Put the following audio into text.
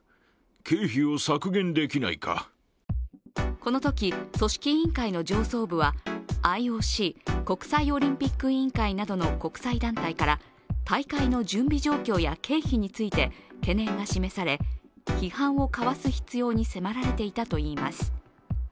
このとき組織委員会の上層部はＩＯＣ＝国際オリンピック委員会などの国際団体から、大会の準備状況や経費について懸念が示され批判をかわす必要に迫られていたといいます。